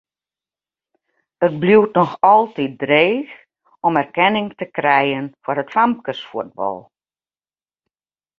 It bliuwt noch altyd dreech om erkenning te krijen foar it famkesfuotbal.